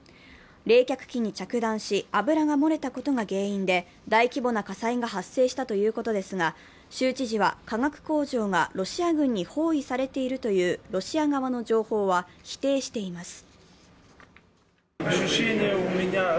冷却器に着弾し、油が漏れたことが原因で大規模な火災が発生したということですが、州知事は化学工場がロシア軍に包囲されているとうロシア側の情報は否定しています。